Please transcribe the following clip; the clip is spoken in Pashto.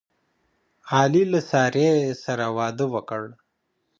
علي له سارې سره واده وکړ.